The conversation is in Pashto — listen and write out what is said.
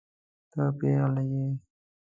ته پيغله يې.